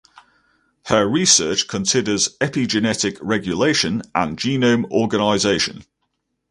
Her research considers epigenetic regulation and genome organisation.